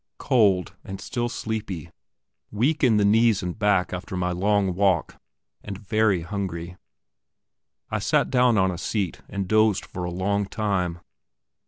Cold and still sleepy, weak in the knees and back after my long walk, and very hungry, I sat down on a seat and dozed for a long time.